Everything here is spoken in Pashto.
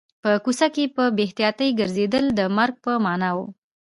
په کوڅه کې په بې احتیاطۍ ګرځېدل د مرګ په معنا و